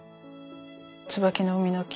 「椿の海の記」